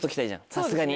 さすがに。